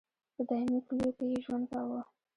په دایمي کلیو کې یې ژوند کاوه.